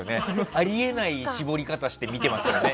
あり得ない絞り方して見てますよね。